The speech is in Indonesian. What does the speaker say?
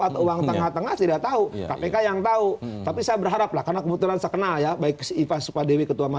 atau uang tengah tengah tidak tahu